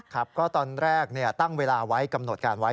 ครับก็ตอนแรกตั้งเวลาไว้กำหนดการไว้